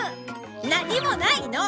何もないの！